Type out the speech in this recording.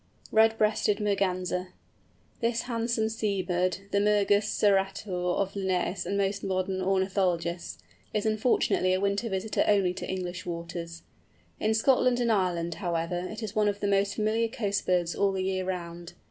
RED BREASTED MERGANSER. This handsome sea bird, the Mergus serrator of Linnæus and most modern ornithologists, is unfortunately a winter visitor only to English waters. In Scotland and Ireland, however, it is one of the most familiar coast birds all the year round.